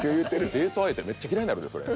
デート相手めっちゃ嫌いになるでそれ。